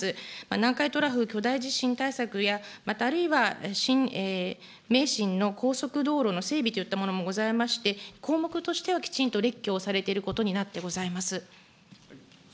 南海トラフ巨大地震対策や、また、あるいは名神の高速道路の整備といったものもございまして、項目としてはきちんと列挙をされていることになってございます。